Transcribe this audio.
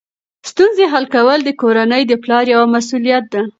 ستونزې حل کول د کورنۍ د پلار یوه مسؤلیت ده.